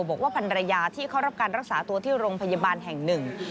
บอกว่าพันรยาที่เขารับการรักษาตัวที่โรงพยาบาลแห่งหนึ่ง